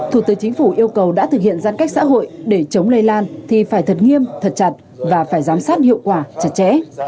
thủ tướng chính phủ yêu cầu đã thực hiện giãn cách xã hội để chống lây lan thì phải thật nghiêm thật chặt và phải giám sát hiệu quả chặt chẽ